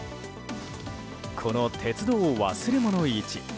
この鉄道忘れ物市。